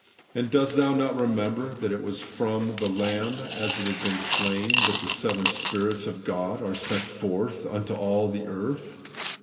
And dost thou not remember that it is from ' the Lamb as it had been slain ' that ' the seven spirits of God are sent forth into all the earth'